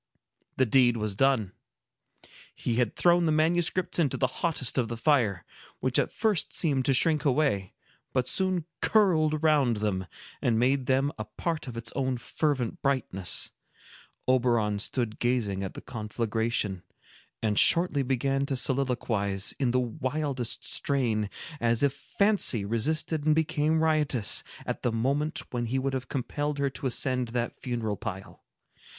The deed was done. He had thrown the manuscripts into the hottest of the fire, which at first seemed to shrink away, but soon curled around them, and made them a part of its own fervent brightness. Oberon stood gazing at the conflagration, and shortly began to soliloquize, in the wildest strain, as if Fancy resisted and became riotous, at the moment when he would have compelled her to ascend that funeral pile.